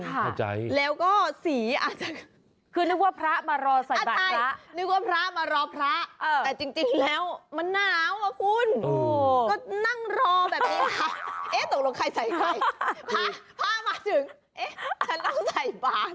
ค่ะพอใจแล้วก็สีอาจจะ